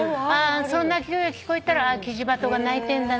その鳴き声が聞こえたらキジバトが鳴いてんだな。